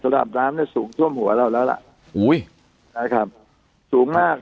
ระดับน้ำเนี่ยสูงท่วมหัวเราแล้วล่ะอุ้ยนะครับสูงมาก